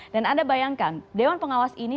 dan anda bayangkan dewan pengawas ini